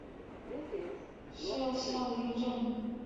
莱森是瑞士联邦西部法语区的沃州下设的一个镇。